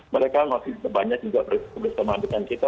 mereka masih banyak juga bersama dengan kita